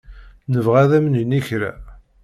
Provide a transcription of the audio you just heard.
Nebɣa ad am-nini kra.